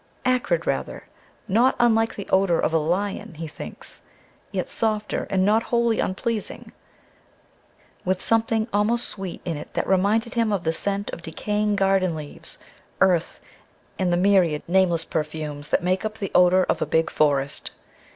Acrid rather, not unlike the odor of a lion, he thinks, yet softer and not wholly unpleasing, with something almost sweet in it that reminded him of the scent of decaying garden leaves, earth, and the myriad, nameless perfumes that make up the odor of a big forest.